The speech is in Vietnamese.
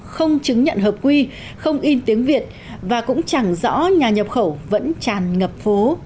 không chứng nhận hợp quy không in tiếng việt và cũng chẳng rõ nhà nhập khẩu vẫn tràn ngập phố